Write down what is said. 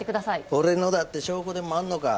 俺のだって証拠でもあんのか？